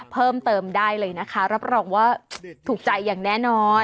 เพิ่มเติมได้เลยนะคะรับรองว่าถูกใจอย่างแน่นอน